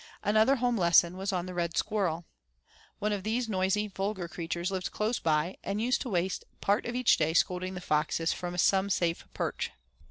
Another home lesson was on the red squirrel. One of these noisy, vulgar creatures, lived close by and used to waste part of each day scolding the foxes from some safe perch.